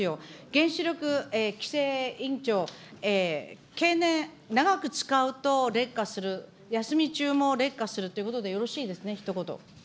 原子力規制委員長、経年、長く使うと劣化する、休み中も劣化するということでよろしいですね、ひと言。